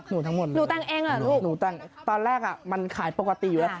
ทั้งหมดหนูแต่งเองเหรอลูกหนูแต่งตอนแรกอ่ะมันขายปกติอยู่แล้ว